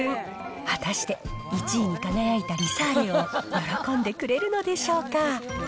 果たして１位に輝いたリサーレを喜んでくれるのでしょうか。